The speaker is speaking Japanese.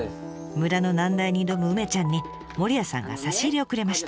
村の難題に挑む梅ちゃんに守谷さんが差し入れをくれました。